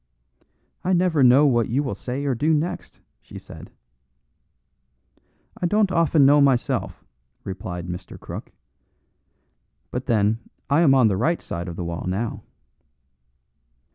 "I never know what you will say or do next," she said. "I don't often know myself," replied Mr. Crook; "but then I am on the right side of the wall now."